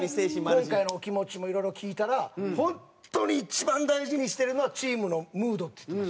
今回の気持ちもいろいろ聞いたら「本当に一番大事にしてるのはチームのムード」っつってました。